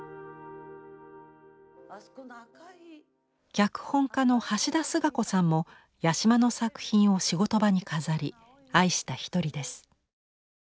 脚本家の橋田壽賀子さんも八島の作品を仕事場に飾り愛した一人です。